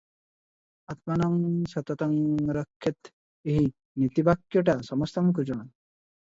"ଆତ୍ମାନଂ ସତତଂ ରକ୍ଷେତ୍ " ଏହି ନୀତିବାକ୍ୟଟା ସମସ୍ତଙ୍କୁ ଜଣା ।